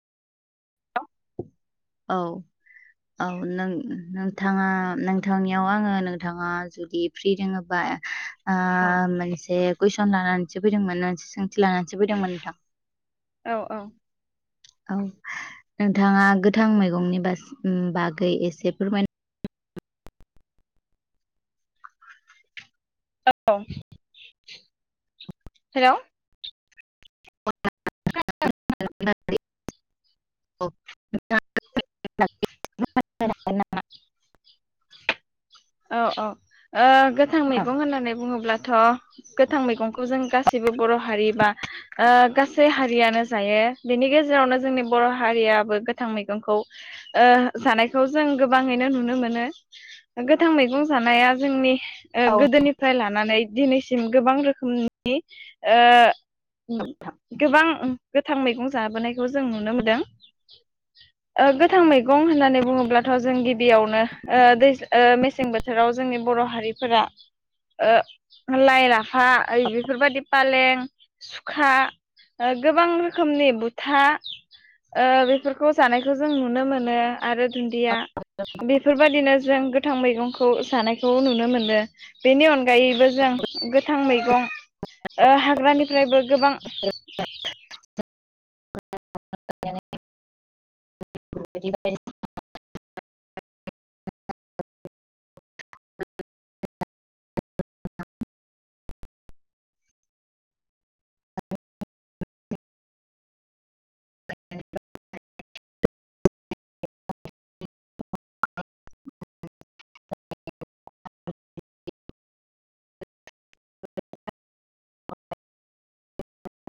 औ औ। औ नों नोंथाङा नोंथांनियाव आङो नोंथाङा जुदि फ्रि दोङोबा ओ औ मोनसे कुइसन लानानैसो फैदोंमोन मोनसे सोंथि लानानैसो फैदोंमोन नोंथां। औ औ। औ नोंथाङा गोथां मैगंनि बासि उम बागै एसे फोरमायनो औ हेलौ। खोनादोंना [unintelligible] औ औ ओ गोथां औ मैगं होननानै बुङोब्लाथ' गोथां मैगंखौ जों गासैबो बर' हारि बा ओ गासै हारियानो जायो। बेनि गेजेरावनो जोंनि बर' हारियाबो गोथां मैगंखौ ओ जानायखौ जों गोबाङैनो नुनो मोनो। गोथां मैगं जानाया जोंनि ओ औ गोदोनिफ्राय लानानै दिनैसिम गोबां रोखोमनि ओ उम गोबां गोथां मैगं जाबोनायखौ जों नुनो मोनदों। ओ गोथां मैगं होननानै बुङोब्लाथ' जों गिबियावनो ओ दैज ओ मेसें बोथोराव जोंनि बर' हारिफोरा ओ लाइ लाफा ओइ बेफोरबायदि पालें सुखा ओ गोबां रोखोमनि बुथा ओ बेफोरखौ जानायखौ जों नुनो मोनो। आरो दुन्दिया बेफोरबादिनो जों गोथां मैगंखौ जानायखौ नुनो मोनदो। बेनि अनगायैबो जों गोथां मैगं ओ हाग्रानिफ्रायबो गोबां [unintelligible]